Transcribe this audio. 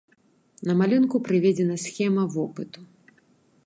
На малюнку прыведзена схема вопыту.